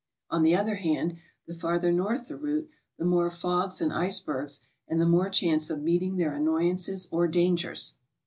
On the other hand, the farther north the route, the more fo gs and icebergs and the more chance of meeting their an noyances or dangers.